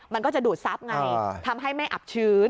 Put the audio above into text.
มันก็จะดูดทรัพย์ไงทำให้ไม่อับชื้น